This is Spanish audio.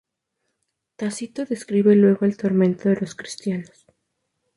Tácito describe luego el tormento de los cristianos.